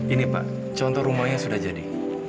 ini pak contoh rumahnya sudah jadi